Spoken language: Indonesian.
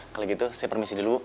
kalau gitu saya permisi dulu